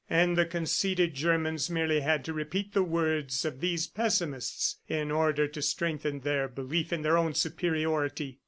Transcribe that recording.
And the conceited Germans merely had to repeat the words of these pessimists in order to strengthen their belief in their own superiority.